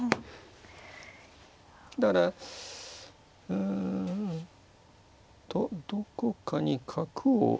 だからうんとどこかに角を設置。